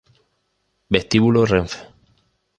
Vestíbulo Renfe